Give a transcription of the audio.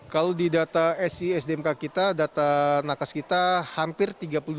kalau di data sisdmk kita data nakes kita hampir tiga puluh dua